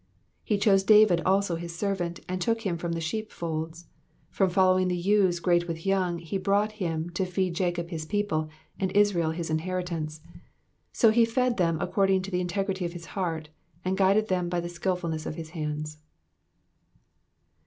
70 He chose David also his servant, and took him from the sheepfolds : 71 From following the ewes great with young he brought him to feed Jacob his people, and Israel his inheritance. 72 So he fed them according to the integrity of his heart ; and guided them by the skilfulness of his hands.